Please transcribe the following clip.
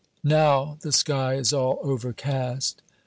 Now, the sky is all overcast.